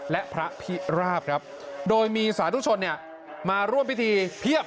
และพระพิราพย์โดยมีสาธุชนมาร่วมพิธีเพียบ